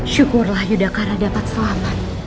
syukurlah yudhakara dapat selamat